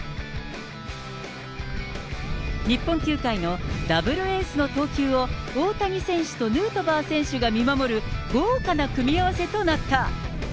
日本球界のダブルエースの投球を大谷選手とヌートバー選手が見守る豪華な組み合わせとなった。